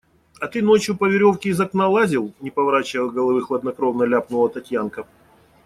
А ты ночью по веревке из окна лазил, – не поворачивая головы, хладнокровно ляпнула Татьянка.